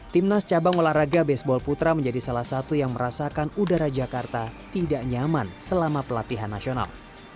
timnas cabang olahraga baseball putra menjadi salah satu yang merasakan udara jakarta tidak nyaman selama pelatihan nasional